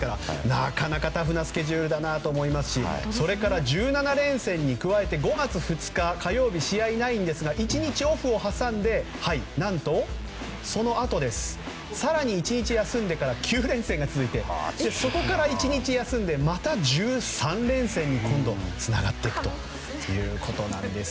なかなかタフなスケジュールだと思いますしそれから１７連戦に加えて５月２日の火曜日、試合はありませんが１日オフを挟んで何と、そのあと更に１日休んでから９連戦が続いてそこから１日休んでまた、１３連戦に今度つながっていくということです。